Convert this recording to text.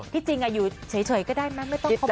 ที่จริงอยู่เฉยก็ได้ไม่ต้องขอบคุณกันเลยเนอะ